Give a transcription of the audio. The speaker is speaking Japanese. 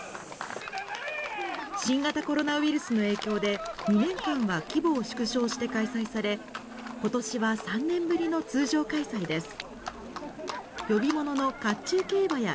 新型コロナウイルスの影響で、２年間は規模を縮小して開催され、ことしは３年ぶりの通常開催です。